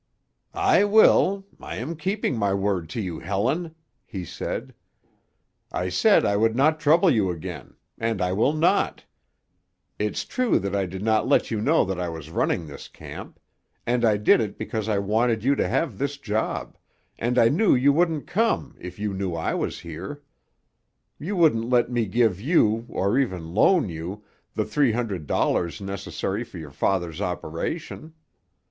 "I will—I am keeping my word to you, Helen," he said. "I said I would not trouble you again; and I will not. It's true that I did not let you know that I was running this camp; and I did it because I wanted you to have this job, and I knew you wouldn't come if you knew I was here. You wouldn't let me give you, or even loan you, the three hundred dollars necessary for your father's operation.